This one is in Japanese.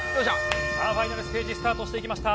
さあファイナルステージスタートしていきました。